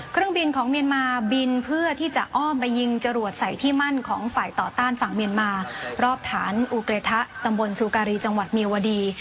เครื่องบินของเมียนมาบินเพื่อที่จะอ้อมไปยิงจรวดใส่ที่มั่นของฝ่ายต่อต้านฝั่งเมียนมารอบฐานอูเกรทะตำบลซูการีจังหวัดเมียวดี